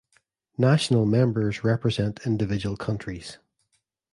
National Members represent individual countries.